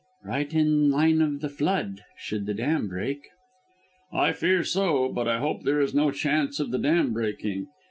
"Right in line of the flood, should the dam break." "I fear so; but I hope there is no chance of the dam breaking.